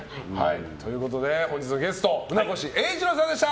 本日のゲスト船越英一郎さんでした。